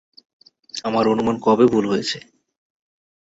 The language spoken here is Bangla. আমার অনুমান কবে ভুল হয়েছে?